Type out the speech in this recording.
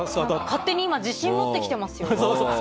勝手に今自信を持ってきてますよ。